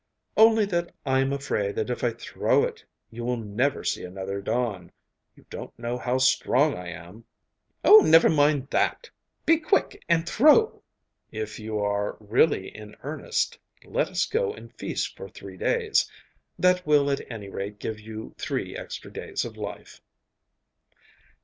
'Only that I am afraid that if I throw it you will never see another dawn. You don't know how strong I am!' 'Oh, never mind that be quick and throw.' 'If you are really in earnest, let us go and feast for three days: that will at any rate give you three extra days of life.